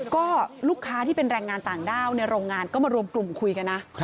ก็ลูกค้าที่เป็นแรงงานต่างด้าวในโรงงานก็มารวมกลุ่มคุยกันนะ